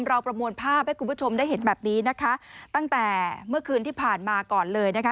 ประมวลภาพให้คุณผู้ชมได้เห็นแบบนี้นะคะตั้งแต่เมื่อคืนที่ผ่านมาก่อนเลยนะคะ